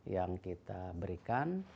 yang kita berikan